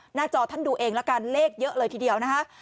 หน้าจอท่านดูเองแล้วกันเลขเยอะเลยทีเดียวนะ